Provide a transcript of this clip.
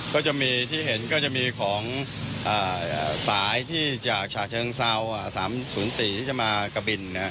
ก็จะมีที่เห็นก็จะมีของสายที่จากฉาเชิงเซา๓๐๔ที่จะมากะบิน